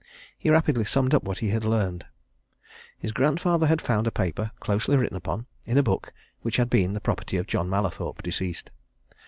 He rapidly summed up what he had learned. His grandfather had found a paper, closely written upon, in a book which had been the property of John Mallathorpe, deceased.